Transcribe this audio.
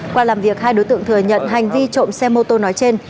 qua làm việc hai đối tượng thừa nhận hành vi trộm xe mô tô nói trên